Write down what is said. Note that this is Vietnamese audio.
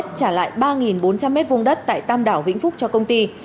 trả lại ba bốn trăm linh mét vùng đất tại tam đảo vĩnh phúc cho công ty